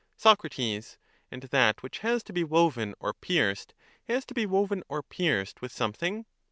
Soc. And that which has to be woven or pierced has to be woven or pierced with something?